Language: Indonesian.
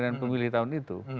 dan pemilih tahun itu